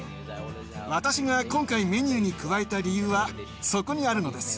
私が今回メニューに加えた理由はそこにあるのです。